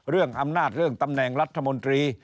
เรื่องอำนาจเรื่องตำแหน่งรัฐมนตรี